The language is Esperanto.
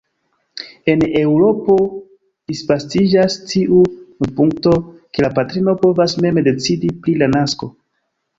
En Eŭropo disvastiĝas tiu vidpunkto, ke la patrino povas mem decidi pri la nasko.